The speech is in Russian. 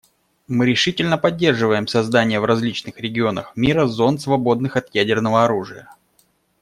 Мы решительно поддерживаем создание в различных регионах мира зон, свободных от ядерного оружия.